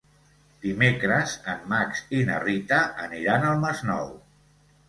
Dimecres en Max i na Rita aniran al Masnou.